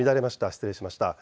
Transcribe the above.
失礼しました。